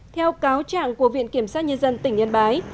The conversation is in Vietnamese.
theo cáo trạng của viện kiểm sát nhân dân tỉnh yên bái